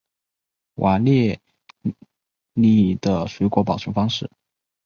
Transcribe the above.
瓦列涅的水果保存方式。